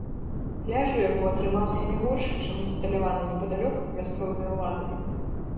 Пляж у яго атрымаўся не горшы, чым абсталяваны непадалёк мясцовымі ўладамі.